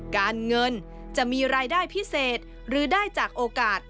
การเงินจะมีรายได้พิเศษหรือได้จากโอกาส